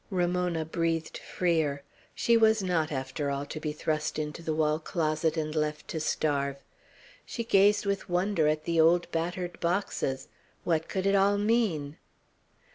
Ramona breathed freer. She was not, after all, to be thrust into the wall closet and left to starve. She gazed with wonder at the old battered boxes. What could it all mean?